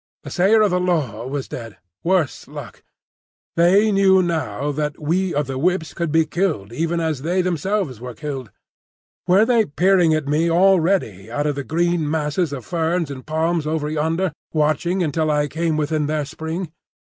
The Sayer of the Law was dead: worse luck. They knew now that we of the Whips could be killed even as they themselves were killed. Were they peering at me already out of the green masses of ferns and palms over yonder, watching until I came within their spring?